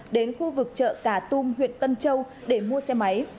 đến khu vực chợ cà tum huyện tân châu để mua xe máy